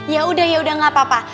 ya udah yaudah gak apa apa